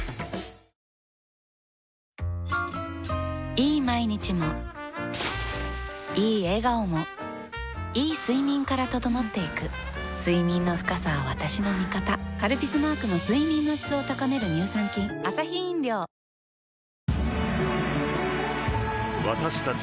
いい毎日もいい笑顔もいい睡眠から整っていく睡眠の深さは私の味方「カルピス」マークの睡眠の質を高める乳酸菌大きくなったチャーシューの麺屋こころ